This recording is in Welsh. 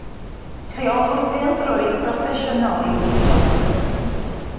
Rheolwr pêl-droed proffesiynol yw Lee Johnson.